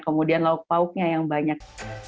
kemudian lauk pauknya yang banyak